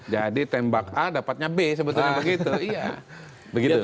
jadi tembak a dapatnya b sebetulnya begitu